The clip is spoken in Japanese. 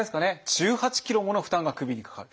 １８ｋｇもの負担が首にかかる。